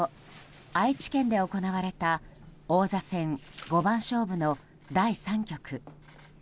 愛知県で行われた王座戦五番勝負の第３局。